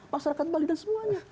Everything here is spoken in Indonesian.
masyarakat bali dan semuanya